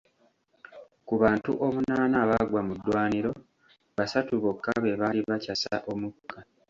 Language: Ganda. Ku bantu omunaana abaagwa mu ddwaniro, basatu bokka be baali bakyassa omukka.